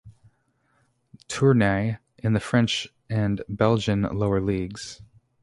Tournai in the French and Belgian lower leagues.